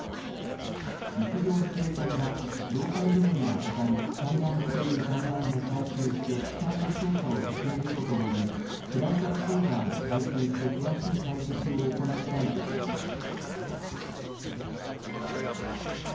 陸上自衛隊は胴体部分のほかに、散乱している残骸も回収して、機体の調査を進めるとともに、フライトレコーダーも回収して詳しい解析を行いたいとしています。